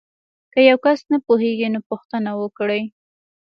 که یو کس نه پوهیږي نو پوښتنه وکړئ.